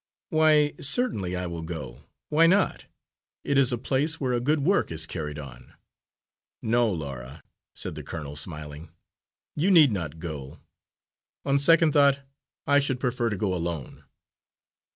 "Why, certainly, I will go. Why not? It is a place where a good work is carried on." "No, Laura," said the colonel smiling, "you need not go. On second thought, I should prefer to go alone."